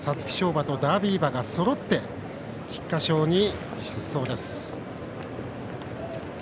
馬とダービー馬がそろって、菊花賞に出走です。